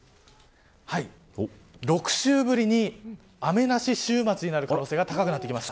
６週ぶりに雨なし週末になる可能性が高くなってきました。